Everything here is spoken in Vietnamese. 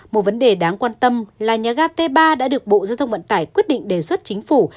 một vấn đề đáng quan tâm là nhà ga t ba đã được bộ giao thông vận tải quyết định đề xuất chính phủ